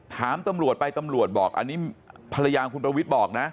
ถามตำรวจไปตำรวจบอกอันนี้ภรรยาคุณประวิทย์บอกนะ